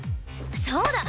そうだ！